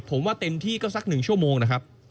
ผมว่าเต็มที่ก็สัก๑ชั่วโมงนะครับ